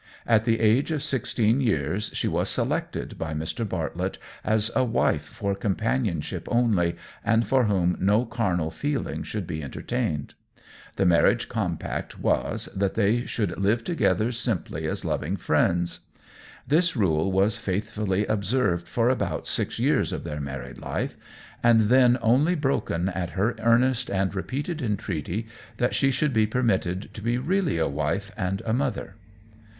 At the age of sixteen years she was selected by Mr. Bartlett as a wife for companionship only, and for whom no carnal feeling should be entertained. The marriage compact was, that they should live together simply as loving friends. This rule was faithfully observed for about six years of their married life, and then only broken at her earnest and repeated entreaty that she should be permitted to be really a wife and a mother.